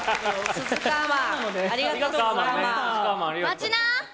待ちな！